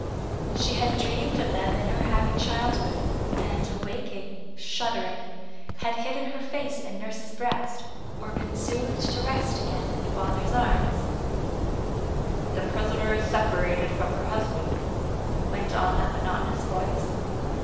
She had dreamed of them in her happy childhood, and awaking, shuddering, had hidden her face in nurse's breast, or been soothed to rest again in father's arms. " The prisoner is separated from her husband," went on that monotonous voice.